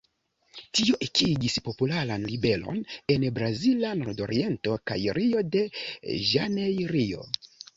Tio ekigis popolan ribelon en Brazila Nordoriento kaj Rio-de-Ĵanejrio.